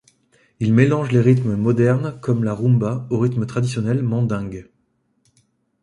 Il mélange les rythmes modernes comme la rumba au rythme traditionnel mandingue.